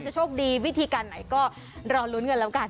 โชคดีวิธีการไหนก็รอลุ้นกันแล้วกัน